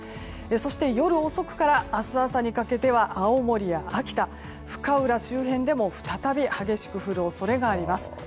そして夜遅くから明日朝にかけては青森や秋田、深浦周辺でも再び激しく降る恐れがあります。